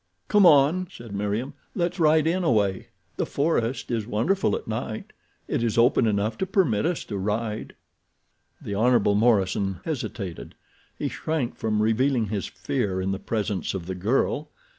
"Come on," said Meriem, "let's ride in a way—the forest is wonderful at night. It is open enough to permit us to ride." The Hon. Morison hesitated. He shrank from revealing his fear in the presence of the girl.